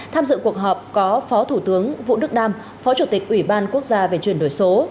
tham dự cuộc họp có phó thủ tướng vũ đức đam phó chủ tịch ủy ban quốc gia về chuyển đổi số